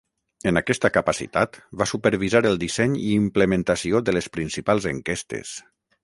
En aquesta capacitat, va supervisar el disseny i implementació de les principals enquestes.